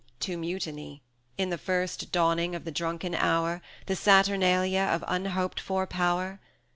to Mutiny, In the first dawning of the drunken hour, The Saturnalia of unhoped for power?